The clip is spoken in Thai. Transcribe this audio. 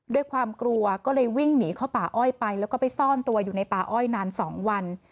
ด้วยความกลัวก็เลยวิ่งหนีเข้าป่าอ้อยไปแล้วก็ไปซ่อนตัวอยู่ในป่าอ้อยนาน๒วัน